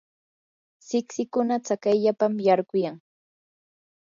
siksikuna tsakayllapam yarquyan.